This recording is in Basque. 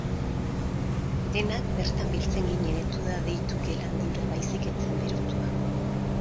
Denak betan biltzen ginen etuda deitu gela handi hura baizik ez zen berotua.